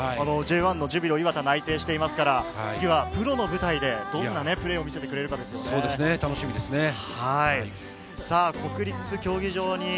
Ｊ１のジュビロ磐田に内定していますから、次はプロの舞台でどんなプレーを見せてくれるかですね。